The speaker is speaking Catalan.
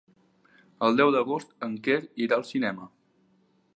El deu d'agost en Quer irà al cinema.